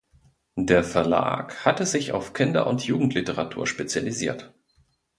Der Verlag hatte sich auf Kinder- und Jugendliteratur spezialisiert.